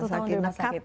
satu tahun di rumah sakit